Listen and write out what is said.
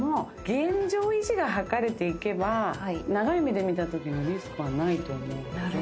現状維持が図れていけば、長い目で見たときのリスクはないと思うので。